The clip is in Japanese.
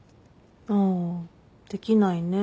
ああできないね